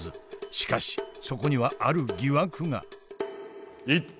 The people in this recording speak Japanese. しかしそこにはある疑惑が。